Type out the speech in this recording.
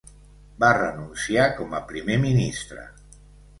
Va renunciar com a primer ministre.